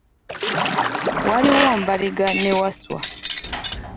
Waliwo mbaliga ne wasswa.